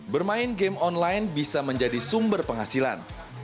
bermain game online bisa menjadi sumber penghasilan